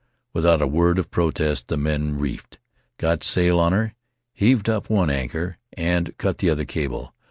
'Without a word of protest the men reefed, got sail on her, heaved up one anchor, and cut the other cable.